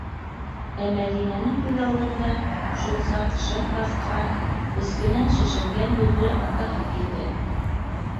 Ә Мәҙинәнең күҙ алдында шул саҡ шырт баҫҡан, эскенән шешенгән йөҙлө атаһы килде.